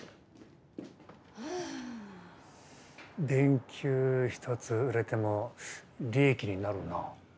電球一つ売れても利益になるな。